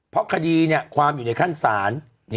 เพราะคดีความอยู่ในขั้นศาล